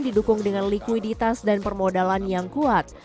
didukung dengan likuiditas dan permodalan yang kuat